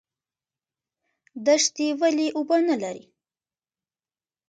دښتې ولې اوبه نلري؟